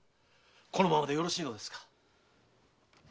このままでよろしいのですか？